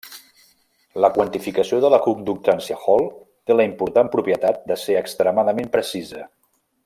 La quantificació de la conductància Hall té la important propietat de ser extremadament precisa.